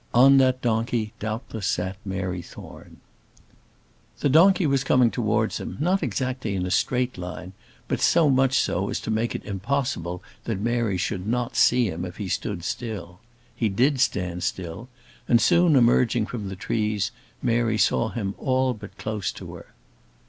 On that donkey doubtless sat Mary Thorne. The donkey was coming towards him; not exactly in a straight line, but so much so as to make it impossible that Mary should not see him if he stood still. He did stand still, and soon emerging from the trees, Mary saw him all but close to her.